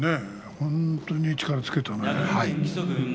本当に力をつけたね。